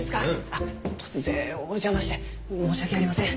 あっ突然お邪魔して申し訳ありません。